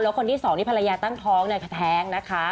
แล้วคนที่สองที่ภรรยาตั้งท้องแท้งนะคะ